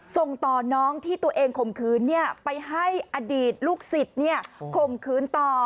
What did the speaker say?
ทรงตอนน้องที่ตัวเองขมขืนเนี่ยไปให้อดีตลูกศิษฐ์เนี่ยขมขืนต่อ